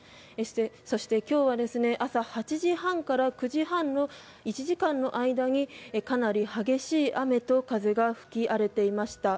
そして今日は、朝８時半から９時半の１時間の間にかなり激しい雨と風が吹き荒れていました。